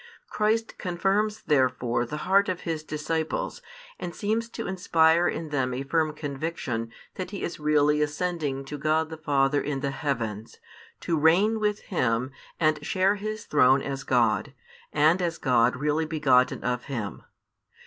Christ confirms therefore the heart of His disciples, and seems to inspire in them a firm conviction that He is really ascending to God the Father in the heavens, to reign with Him and share His throne as God, and as God really begotten of Him.